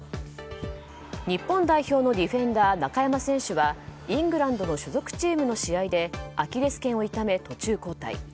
日本代表のディフェンダー中山選手はイングランドの所属チームの試合でアキレス腱を痛め、途中交代。